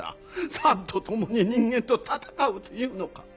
サンと共に人間と戦うというのか？